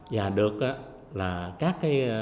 và được các